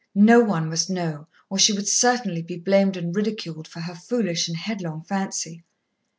No one must know, or she would certainly be blamed and ridiculed for her foolish and headlong fancy.